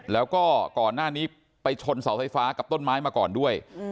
แล้วก็ก่อนหน้านี้ไปชนเสาไฟฟ้ากับต้นไม้มาก่อนด้วย